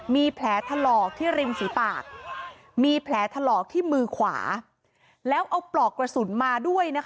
มีแผลถลอกที่ริมฝีปากมีแผลถลอกที่มือขวาแล้วเอาปลอกกระสุนมาด้วยนะคะ